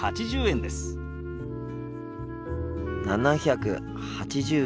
７８０円ですね？